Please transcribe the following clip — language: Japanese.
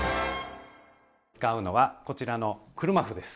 使うのはこちらの車麩です。